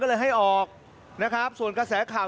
ก็เลยให้ออกนะครับส่วนกระแสข่าว